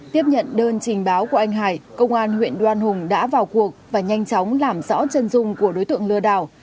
tiếp nhận đơn trình báo của anh hải công an huyện đoan hùng đã vào cuộc và nhanh chóng làm rõ chân dung của đối tượng lừa đảo